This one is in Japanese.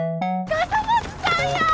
笠松さんや！